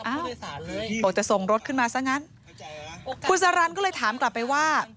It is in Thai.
ผู้โดยสารเลยบอกจะส่งรถขึ้นมาซะงั้นคุณสารันก็เลยถามกลับไปว่า